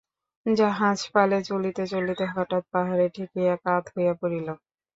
জাহাজ পালে চলিতে চলিতে হঠাৎ পাহাড়ে ঠেকিয়া কাত হইয়া পড়িল।